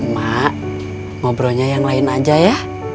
mak ngobrolnya yang lain aja ya